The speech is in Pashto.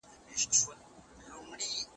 يا به واړه وي يا به سترګې نه لرينه